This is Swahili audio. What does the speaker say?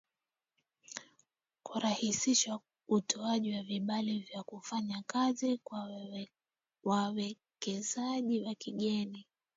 Kurahisisha utoaji wa vibali vya kufanya kazi kwa wawekezaji wa kigeni